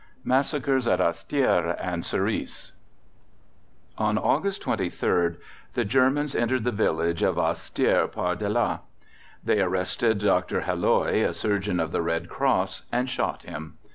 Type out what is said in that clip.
MASSACRES AT HASTIERE AND SURICE On August 23rd, the Germans entered the village of Hastiere par dela.(1) They arrested Dr. Halloy, a Surgeon of the Red Cross, and shot him.